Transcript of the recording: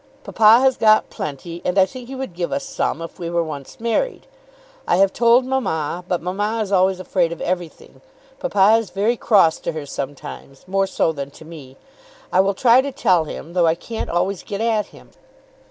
Papa has got plenty, and I think he would give us some if we were once married. I have told mamma, but mamma is always afraid of everything. Papa is very cross to her sometimes; more so than to me. I will try to tell him, though I can't always get at him.